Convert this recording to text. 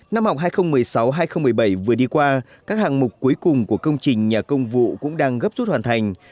năm học hai nghìn một mươi sáu hai nghìn một mươi bảy vừa đi qua các hàng mục cuối cùng của công trình nhà công vụ cũng đang gấp rút hoàn thành